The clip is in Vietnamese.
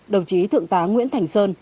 đồng chí thượng tá nguyễn thành sơn